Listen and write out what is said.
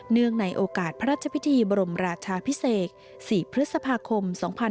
เนื่องในโอกาสพระราชพิธีบรมราชาพิเศษ๔พฤษภาคม๒๕๖๒